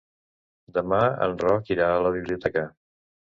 Demà en Roc irà a la biblioteca.